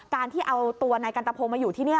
การที่เอาตัวนายกันตะพงมาอยู่ที่นี่